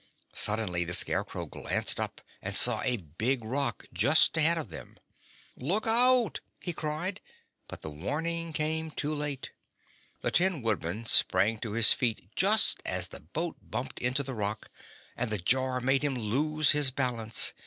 Suddenly the Scarecrow glanced up and saw a big rock just ahead of them. "Look out!" he cried; but the warning came too late. The Tin Woodman sprang to his feet just as the boat bumped into the rock, and the jar made him lose his balance.